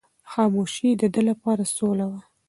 خاموشي د ده لپاره سوله وه.